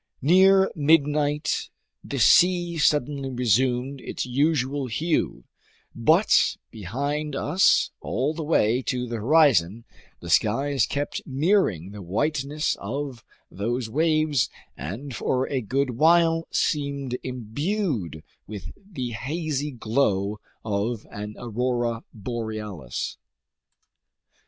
Near midnight the sea suddenly resumed its usual hue, but behind us all the way to the horizon, the skies kept mirroring the whiteness of those waves and for a good while seemed imbued with the hazy glow of an aurora borealis.